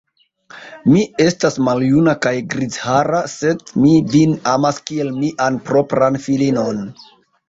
Mi estas maljuna kaj grizhara, sed mi vin amas kiel mian propran filinon.